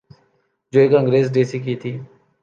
جو ایک انگریز ڈی سی کی تھی۔